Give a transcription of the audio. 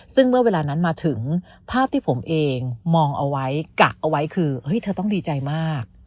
ซึ่งเมื่อเวลานั้นมาถึงภาพที่ผมเองมองเอาไว้กะเอาไว้คือเฮ้ยเธอต้องดีใจมาก